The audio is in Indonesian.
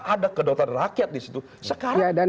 ada kedotoran rakyat disitu sekarang